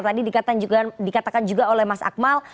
tadi dikatakan juga oleh mas akmal